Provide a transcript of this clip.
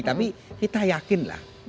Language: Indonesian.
tapi kita yakinlah